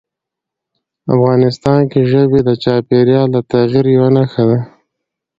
افغانستان کې ژبې د چاپېریال د تغیر یوه نښه ده.